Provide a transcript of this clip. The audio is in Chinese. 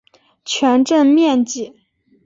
全镇面积。